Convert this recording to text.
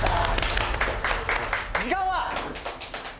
「」「時間は？」